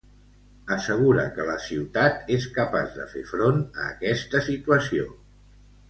Assegura que la ciutat és capaç de fer front a aquesta situació.